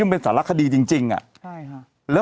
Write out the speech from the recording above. เป็นสารคดีจริงอ่ะ